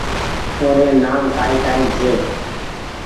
اوري نآم ڪآئي ڪآئي ڇي